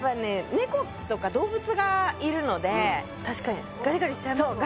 猫とか動物がいるので確かにガリガリしちゃいますもんね